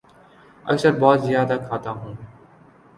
اکثر بہت زیادہ کھاتا ہوں